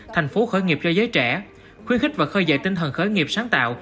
thành phố khởi nghiệp cho giới trẻ khuyến khích và khơi dậy tinh thần khởi nghiệp sáng tạo